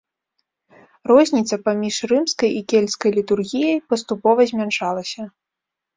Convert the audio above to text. Розніца паміж рымскай і кельцкай літургіяй паступова змяншалася.